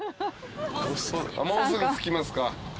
もうすぐ着きますか。